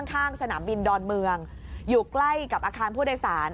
ข้างสนามบินดอนเมืองอยู่ใกล้กับอาคารผู้โดยสาร